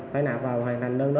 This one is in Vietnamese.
phải nạp vào hoàn thành đơn đó